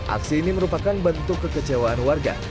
aksi ini merupakan bentuk kekecewaan warga